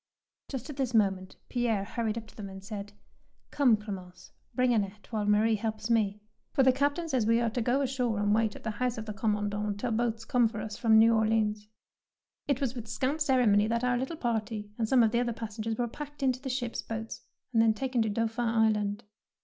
Just at this moment Pierre hurried up to them, and said, — "Come, Clemence, bring Annette, 155 DEEDS OF DAEING while Marie helps me, for the Captain says we are to go ashore and wait at the house of the Commandant till boats come for us from New Orleans.'' It was with scant ceremony that our little party and some of the other pas sengers were packed into the ship's boats and taken to Dauphin Island.